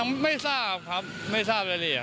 ยังไม่ทราบครับไม่ทราบอะไรเลย